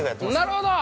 ◆なるほど！